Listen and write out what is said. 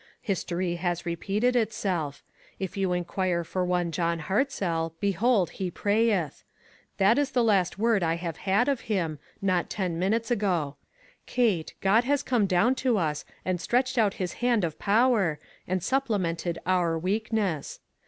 History has repeated itself; if you inquire for one John Hartzell, be hold he prayeth ! That L> the last word I have had of him, not ten minutes ago. Kate, God has come down to us and stretched out his hand of power, and sup plemented our weakness.